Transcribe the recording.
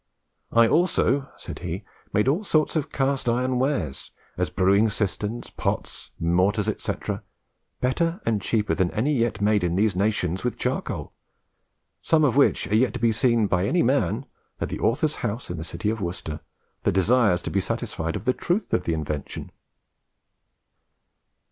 "I also," said he, "made all sorts of cast iron wares, as brewing cisterns, pots, mortars, &c., better and cheaper than any yet made in these nations with charcoal, some of which are yet to be seen by any man (at the author's house in the city of Worcester) that desires to be satisfied of the truth of the invention."